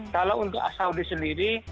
kalau untuk saudi sendiri